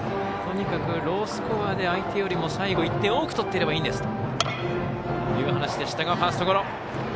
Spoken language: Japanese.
とにかくロースコアで相手よりも１点多く取っていればいいんですという話でしたがファーストゴロ。